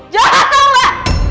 jahat tau gak